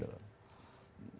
saya harus tanya ke pak kapolri